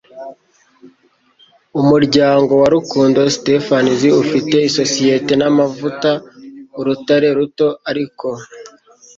Umuryango wa Rukundo Stephens, ufite isosiyete namavuta, Urutare ruto, Ark, $